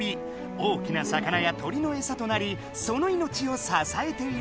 大きな魚や鳥のエサとなりそのいのちをささえている。